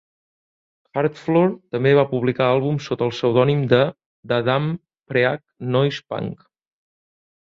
Hardfloor també va publicar àlbums sota el pseudònim de Da Damn Phreak Noize Phunk.